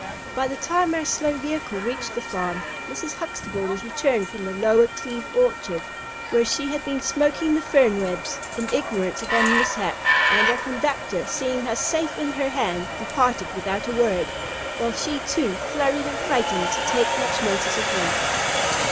By the time our slow vehicle reached the farm, Mrs. Huxtable was returned from the Lower Cleve orchard, where she had been smoking the fernwebs, in ignorance of our mishap; and our conductor, seeing us safe in her hands, departed without a word, while she was too flurried and frightened to take much notice of him.